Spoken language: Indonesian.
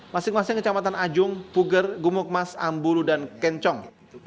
masing masing kecamatan ajung puger gumukmas ambulu dan kencong